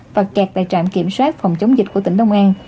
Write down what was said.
và kẹt tại trạm kiểm soát phòng chống dịch của tỉnh đông an